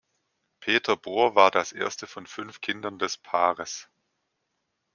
Peter Bohr war das erste von fünf Kindern des Paares.